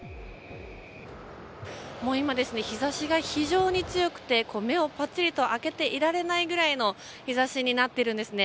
今、日差しが非常に強くて目をぱっちりと開けていられないぐらいの日差しになっているんですね。